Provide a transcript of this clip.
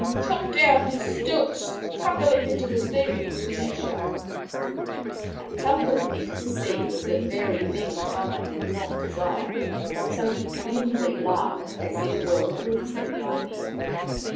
" Chop down his stilts ! Tumble him into the sea !" they shouted. A tumble into the sea was the very thing Tama did not desire, so he cunningly laughed as if well pleased at the idea.